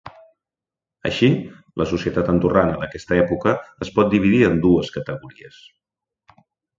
Així, la societat andorrana d'aquesta època es pot dividir en dues categories.